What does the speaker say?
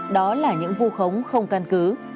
đó là những vô khống không căn cứ